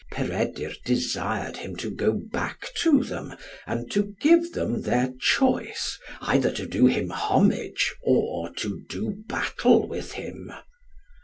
Peredur desired him to go back to them, and to give them their choice, either to do him homage or to do battle with him.